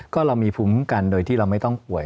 ก็เรามีภูมิกันโดยที่เราไม่ต้องป่วย